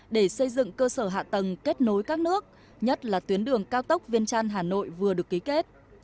để xây dựng cơ sở hạ tầng kết nối các nước nhất là tuyến đường cao tốc viên trăn hà nội vừa được ký kết